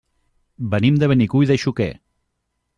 Venim de Benicull de Xúquer.